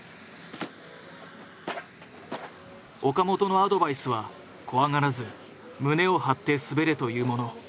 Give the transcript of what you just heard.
岡本のアドバイスは怖がらず胸を張って滑れというもの。